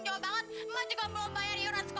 jangan bunuh diri tuh